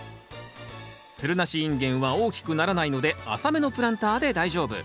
つるなしインゲンは大きくならないので浅めのプランターで大丈夫。